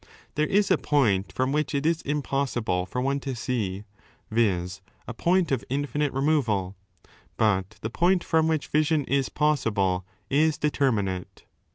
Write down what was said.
There is a point from which it is im 27 possible for one to see, viz. a point of infinite removal, but the point from which vision is possible is deter minate.